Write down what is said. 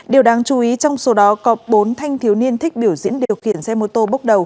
điều đáng chú ý trong số đó có bốn thanh thiếu niên thích biểu diễn điều khiển xe mô tô bốc đầu